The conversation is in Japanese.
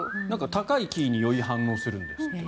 高いキーにより反応するんですって。